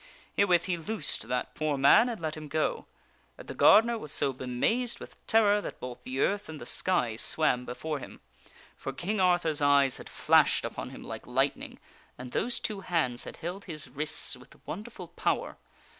Herewith he loosed that poor man and let him go ; and the gardener was so bemazed with terror, that both the earth and the sky swam before him. For King Arthur's eyes had flashed upon him like lightning, and those two hands had held his wrists with wonderful power.